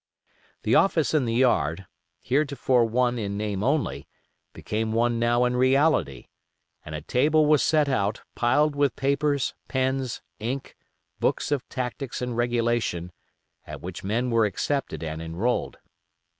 The office in the yard, heretofore one in name only, became one now in reality, and a table was set out piled with papers, pens, ink, books of tactics and regulation, at which men were accepted and enrolled.